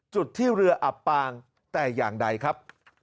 จุดที่เรืออับปางแต่อย่างใดครับ